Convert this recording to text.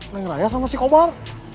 neng naya sama si komar